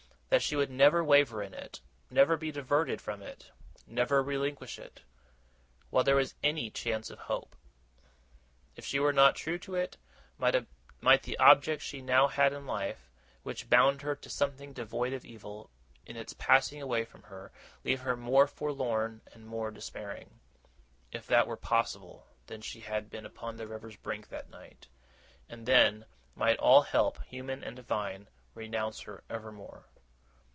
That she would never waver in it, never be diverted from it, never relinquish it, while there was any chance of hope. If she were not true to it, might the object she now had in life, which bound her to something devoid of evil, in its passing away from her, leave her more forlorn and more despairing, if that were possible, than she had been upon the river's brink that night; and then might all help, human and Divine, renounce her evermore!